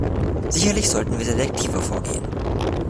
Sicherlich sollten wir selektiver vorgehen.